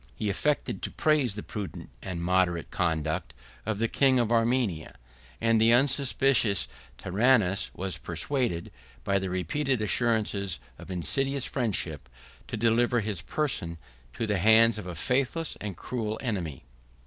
He affected to praise the prudent and moderate conduct of the king of Armenia; and the unsuspicious Tiranus was persuaded, by the repeated assurances of insidious friendship, to deliver his person into the hands of a faithless and cruel enemy.